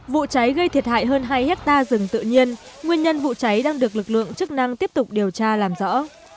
vụ cháy gây thiệt hại hơn hai hectare rừng tự nhiên nguyên nhân vụ cháy đang được lực lượng chức năng tiếp tục điều tra làm rõ